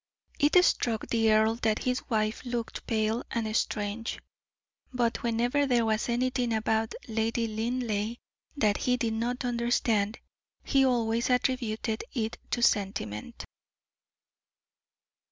It struck the earl that his wife looked pale and strange; but whenever there was anything about Lady Linleigh that he did not understand, he always attributed it to sentiment.